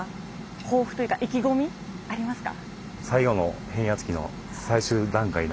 抱負というか意気込みありますか？